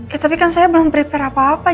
ya tapi kan saya belum prepare apa apa